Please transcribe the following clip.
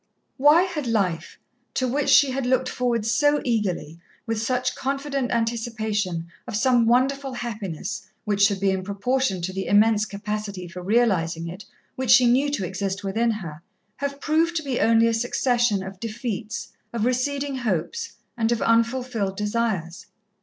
Why had life, to which she had looked forward so eagerly, with such confident anticipation of some wonderful happiness, which should be in proportion to the immense capacity for realizing it which she knew to exist within her, have proved to be only a succession of defeats, of receding hopes and of unfulfilled desires?